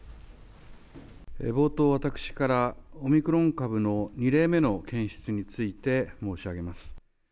冒頭、私から、オミクロン株の２例目の検出について申し上げます。